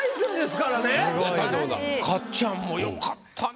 かっちゃんも良かったね。